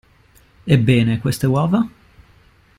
Ebbene, queste uova?